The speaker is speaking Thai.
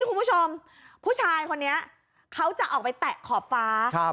คุณผู้ชมผู้ชายคนนี้เขาจะออกไปแตะขอบฟ้าครับ